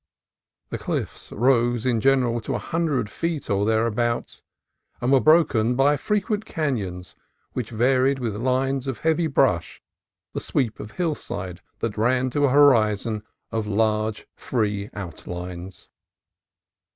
The cliffs rose in general to a hundred feet or thereabouts, and were broken by frequent canons which varied with lines of heavy brush the sweep of hillside that ran to a horizon of large, free outlines.